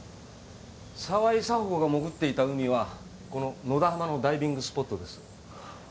沢井紗保子が潜っていた海はこの野田浜のダイビングスポットです。